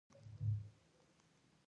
ګنډ افغاني کالي ګران دي